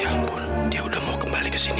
ya ampun dia udah mau kembali kesini